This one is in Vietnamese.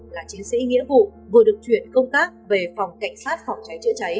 là chiến sĩ nghĩa vụ vừa được chuyển công tác về phòng cảnh sát phòng cháy chữa cháy